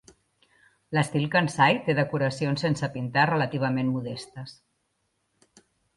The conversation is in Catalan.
L'estil "kansai" té decoracions sense pintar relativament modestes.